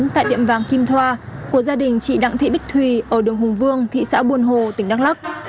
tại tiệm vàng kim thoa của gia đình chị đặng thị bích thùy ở đường hùng vương thị xã buôn hồ tỉnh đắk lắc